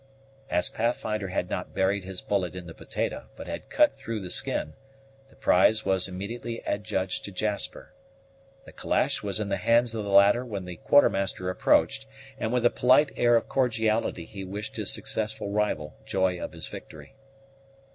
As Pathfinder had not buried his bullet in the potato, but had cut through the skin, the prize was immediately adjudged to Jasper. The calash was in the hands of the latter when the Quartermaster approached, and with a polite air of cordiality he wished his successful rival joy of his victory.